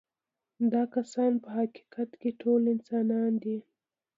دا کسان په حقیقت کې ټول انسانان دي.